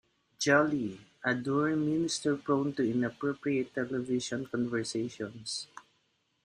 Jolly, a dour minister prone to inappropriate television conversations.